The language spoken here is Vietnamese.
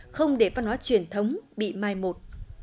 không để văn hóa truyền thống bị mai một